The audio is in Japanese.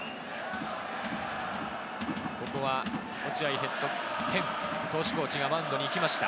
ここは、落合ヘッド兼投手コーチがマウンドに行きました。